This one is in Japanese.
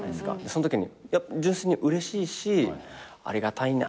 そんときに純粋にうれしいしありがたいなとは思うんだけど。